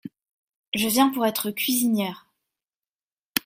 Je viens pour être cuisinière…